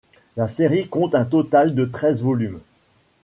La série compte un total de treize volumes.